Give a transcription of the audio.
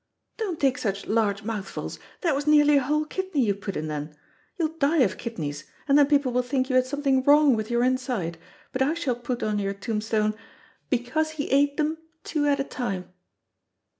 Don't take such large mouthfuls. That was nearly a whole kidney you put in then. You'll die of kidneys, and then people will think you had something wrong with your inside, but I shall put on your tombstone, 'Because he ate them, two at a time.'"